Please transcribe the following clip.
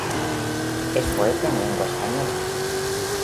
Es poeta en lengua española.